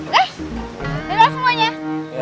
dah udah lah semuanya